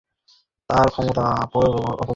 তিনি তার ক্ষমতারোহণের পরও ব্যবহার করতেন।